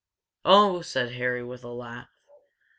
"Oh!" said Harry, with a laugh.